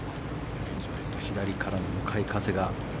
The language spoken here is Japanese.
ちょっと左から向かい風が。